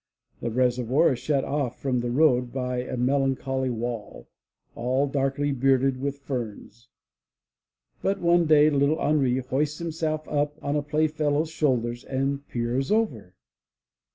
The reservoir is shut off from the road by a melancholy wall, all darkly bearded with ferns, but one day little Henri hoists himself up on a playfellow's shoul ders and peers over.